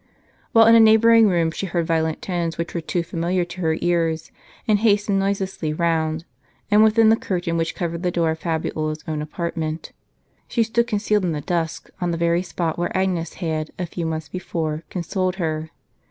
While in a neighboring room she heard violent tones which were too familiar to her ears ; and hastened noiselessly round, and within the curtain which covered the door of Fabiola's own apartment. She stood concealed in the dusk, on the very spot where Agnes had, a few months before, consoled her.